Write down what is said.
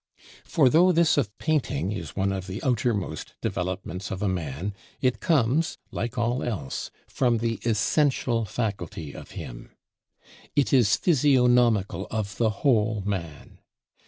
For though this of painting is one of the outermost developments of a man, it comes like all else from the essential faculty of him; it is physiognomical of the whole man.